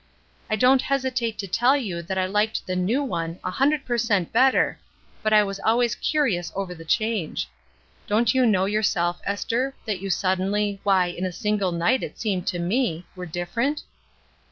I don't hesitate to tell you that I liked the new one a hundred per cent better, but I was al ways curious over the change. Don't you know yourself, Esther, that you suddenly, why, in a single night it seemed to me, were different?"